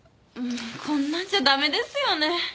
こんなんじゃ駄目ですよね。